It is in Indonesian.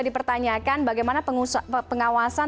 dipertanyakan bagaimana pengawasan